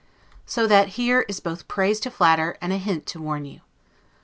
So that here is both praise to flatter, and a hint to warn you.